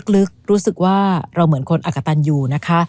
ลึกรู้สึกว่าเราเหมือนคนอักกะตันอยู่นะคะ